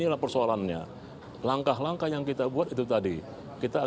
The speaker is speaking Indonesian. itu orang orang di mana waktu itu posisinya